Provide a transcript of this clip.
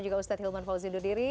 dan juga ustadz hilman fauzi ndudiri